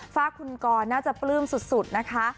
ฝากคุณกรน่าจะปลื้มสุดนะคะ